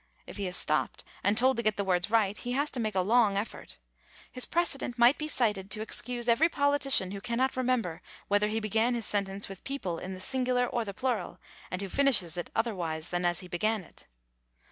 If he is stopped and told to get the words right, he has to make a long effort. His precedent might be cited to excuse every politician who cannot remember whether he began his sentence with "people" in the singular or the plural, and who finishes it otherwise than as he began it.